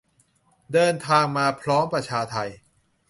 เดินทางมาพร้อมประชาไท